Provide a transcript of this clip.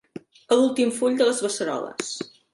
A l'últim full de les beceroles.